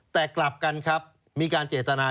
แต่กลับกันครับมีการเจตนา